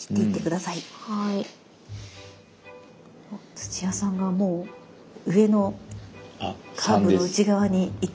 土屋さんがもう上のカーブの内側にいっていますね？